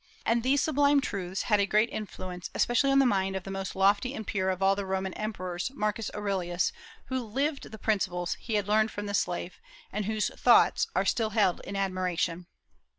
And these sublime truths had a great influence, especially on the mind of the most lofty and pure of all the Roman emperors, Marcus Aurelius, who lived the principles he had learned from the slave, and whose "Thoughts" are still held in admiration.